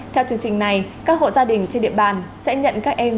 theo chương trình này các hộ gia đình trên địa bàn sẽ nhận các em